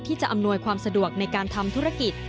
จะอำนวยความสะดวกในการทำธุรกิจ